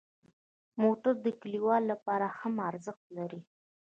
موټر د کلیوالو لپاره هم ارزښت لري.